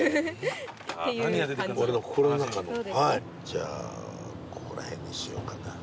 じゃあここら辺にしようかな。